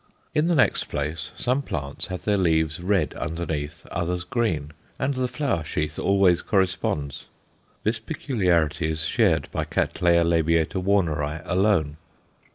In the next place, some plants have their leaves red underneath, others green, and the flower sheath always corresponds; this peculiarity is shared by C. l. Warneri alone.